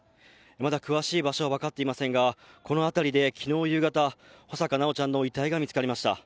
まだ詳しい場所は分かっていませんが、この辺りで、昨日夕方、穂坂修ちゃんの遺体が見つかりました。